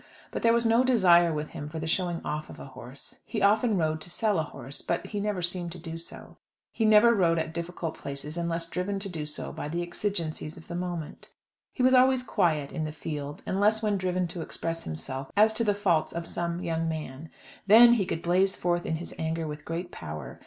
But there was no desire with him for the showing off of a horse. He often rode to sell a horse, but he never seemed to do so. He never rode at difficult places unless driven to do so by the exigencies of the moment. He was always quiet in the field, unless when driven to express himself as to the faults of some young man. Then he could blaze forth in his anger with great power.